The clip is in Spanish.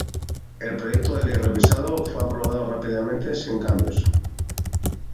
El proyecto de ley revisado fue aprobado rápidamente sin más cambios.